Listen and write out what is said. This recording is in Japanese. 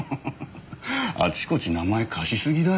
あちこち名前貸しすぎだよ。